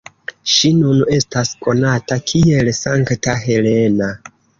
Ŝi nun estas konata kiel Sankta Helena.